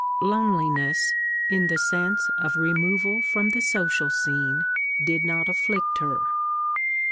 Loneliness, in the sense of removal from the social scene, did not afflict her.